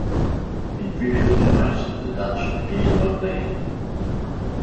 In fear of the giants, the Dutch dared not land.